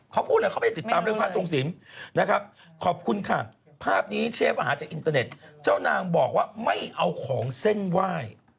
ขอผู้แต่เขาไม่ติดตามกรุงษรทางสงสินฯนะครับขอบคุณค่ะภาพนี้เชฟอาจจะอินเตอร์เน็ตเจ้านางบอกว่าไม่เอาของเส้นไหว้